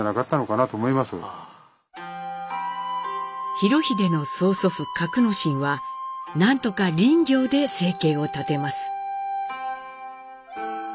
裕英の曽祖父覺之進は何とか林業で生計を立てます。